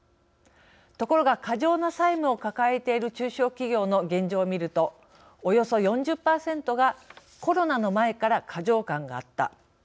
ところが過剰な債務を抱えている中小企業の現状を見るとおよそ４０％がコロナの前から過剰感があった。